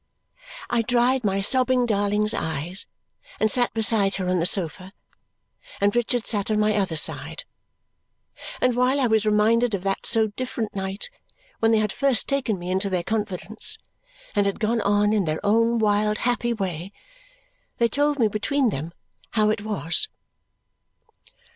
I dried my sobbing darling's eyes and sat beside her on the sofa, and Richard sat on my other side; and while I was reminded of that so different night when they had first taken me into their confidence and had gone on in their own wild happy way, they told me between them how it was.